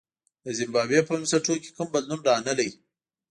د زیمبابوې په بنسټونو کې کوم بدلون رانغی.